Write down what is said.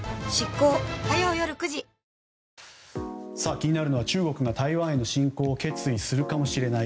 気になるのは中国が台湾への侵攻を決意するかもしれない。